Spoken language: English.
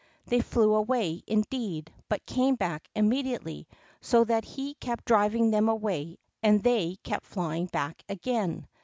They flew away, indeed, but came back immediately, so that he kept driving them away, and they kept flying back again.